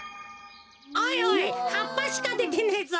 おいおいはっぱしかでてねえぞ。